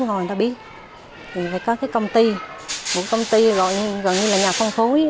không ngồi người ta biết thì phải có cái công ty một công ty gọi gần như là nhà phong phối